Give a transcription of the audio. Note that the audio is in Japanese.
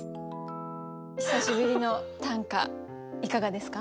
久しぶりの短歌いかがですか？